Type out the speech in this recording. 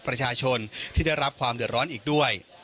ประชาชนที่ได้รับความเดือดร้อนอีกด้วย